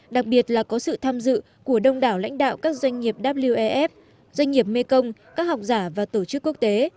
đặc biệt là có sự tham dự của đông đảo lãnh đạo các doanh nghiệp wef doanh nghiệp mekong các học giả và tổ chức quốc tế